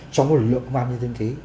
cho một lực lượng công an nhân dân thế